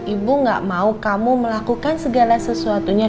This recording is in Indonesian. ibu gak mau kamu melakukan segala sesuatunya